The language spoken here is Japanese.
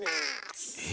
え？